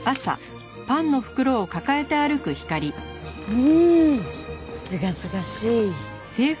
うん！すがすがしい！